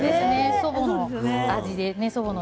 祖母の味です。